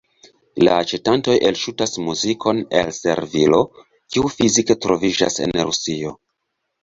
La aĉetantoj elŝutas muzikon el servilo, kiu fizike troviĝas en Rusio.